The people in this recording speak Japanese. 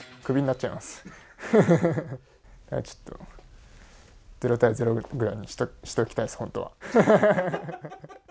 ちょっと、０対０くらいにしときたいです、本当は。